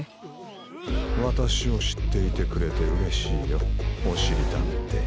わたしをしっていてくれてうれしいよおしりたんてい。